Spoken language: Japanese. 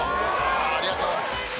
ありがとうございます。